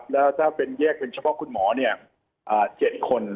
แล้วถ้าเป็นแยกเป็นเฉพาะคุณหมอ๗คน